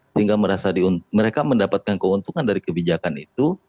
sehingga mereka mendapatkan keuntungan dari kebijakan itu